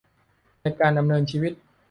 ในการดำเนินชีวิต